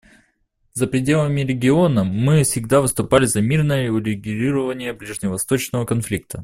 За пределами региона мы всегда выступали за мирное урегулирование ближневосточного конфликта.